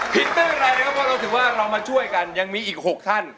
ธิ์ตั้งอะไรนะครับผมอาจหรือว่าเรามาช่วยกันยังมีอีก๖ท่าน